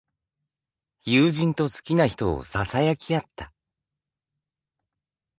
友人と好きな人をささやき合った。